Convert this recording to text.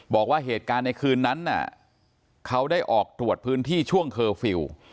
บอกว่าเหตุการณ์ในคืนนั้นเขาได้ออกตรวจพื้นที่ช่วงเคอร์ฟิลล์